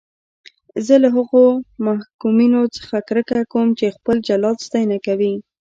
زه له هغو محکومینو څخه کرکه کوم چې خپل جلاد ستاینه کوي.